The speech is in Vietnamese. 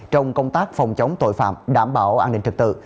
trong công tác phòng chống tội phạm đảm bảo an ninh trật tự